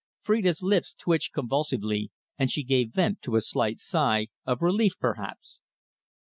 Phrida's lips twitched convulsively, and she gave vent to a slight sigh, of relief, perhaps.